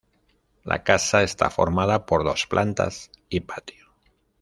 La casa está formada por dos plantas y patio.